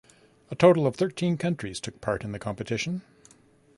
A total of thirteen countries took part in the competition.